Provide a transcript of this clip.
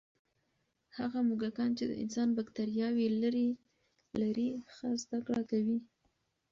هغه موږکان چې د انسان بکتریاوې لري، ښه زده کړه کوي.